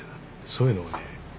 そういうのをね